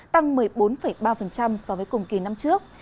tăng một mươi bốn ba so với cùng kỳ năm trước